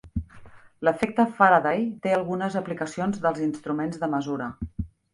L'efecte Faraday té algunes aplicacions dels instruments de mesura.